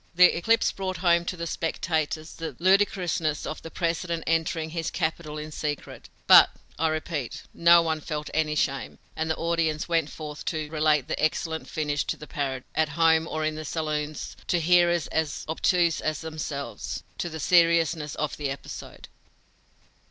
The eclipse brought home to the spectators the ludicrousness of the President entering his capital in secret, but, I repeat, no one felt any shame, and the audience went forth to relate the excellent finish to the parody, at home or in the saloons, to hearers as obtuse as themselves, to the seriousness of the episode.